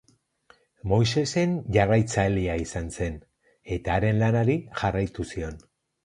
Moisesen jarraitzailea izan zen, eta haren lanari jarraitu zion.